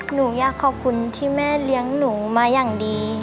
หนูอยากขอบคุณที่แม่เลี้ยงหนูมาอย่างดี